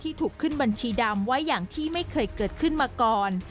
ถูกขึ้นบัญชีดำไว้อย่างที่ไม่เคยเกิดขึ้นมาก่อน